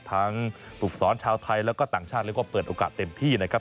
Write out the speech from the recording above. ทั้งปรุกษรชาวไทยแล้วก็ต่างชาติแล้วก็เปิดโอกาสเต็มที่นะครับ